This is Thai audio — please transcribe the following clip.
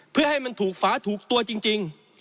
เพื่อให้มันถูกฝาถูกตัวจริง